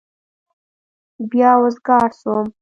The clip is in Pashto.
بيا وزگار سوم.